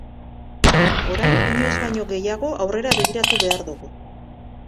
Orain inoiz baino gehiago aurrera begiratu behar dugu.